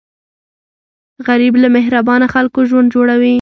غریب له مهربانه خلکو ژوند جوړوي